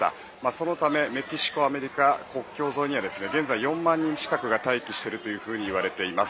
そのためメキシコ、アメリカの国境沿いには現在４万人近くが待機しているというふうに言われています。